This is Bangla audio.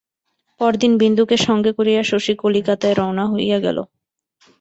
পরদিন বিন্দুকে সঙ্গে করিয়া শশী কলিকাতায় রওনা হইয়া গেল।